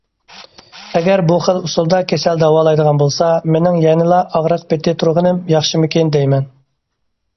ئەگەر بۇ خىل ئۇسۇلدا كېسەل داۋالايدىغان بولسا مېنىڭ يەنىلا ئاغرىق پېتى تۇرغىنىم ياخشىمىكىن دەيمەن.